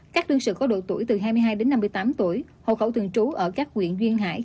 các đương sự có độ tuổi từ hai mươi hai đến năm mươi tám tuổi hộ khẩu thường trú ở các quyện duyên hải